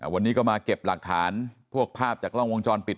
วันนี้ก็มาเก็บหลักฐานพวกภาพจากกล้องวงจรปิด